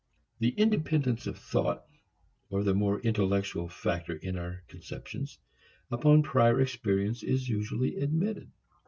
The dependence of thought, or the more intellectual factor in our conceptions, upon prior experience is usually admitted.